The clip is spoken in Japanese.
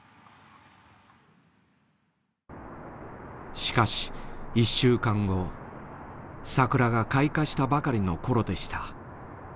しかし１週間後桜が開花したばかりの頃でした。